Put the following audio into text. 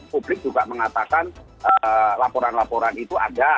publik juga mengatakan laporan laporan itu ada